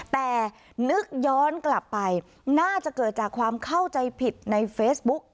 แต่นึกย้อนกลับไปน่าจะเกิดจากความเข้าใจผิดในเฟซบุ๊ก